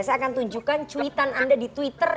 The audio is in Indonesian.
saya akan tunjukkan cuitan anda di twitter